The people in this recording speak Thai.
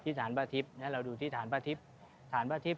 ที่ฐานพระทิพย์เราดูที่ฐานพระทิพย์